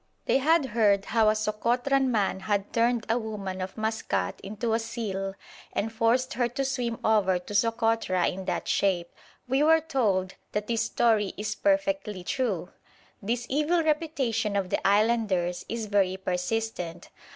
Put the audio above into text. They had heard how a Sokotran man had turned a woman of Maskat into a seal and forced her to swim over to Sokotra in that shape. We were told that this story is perfectly true! This evil reputation of the islanders is very persistent.